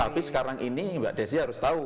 tapi sekarang ini mbak desi harus tahu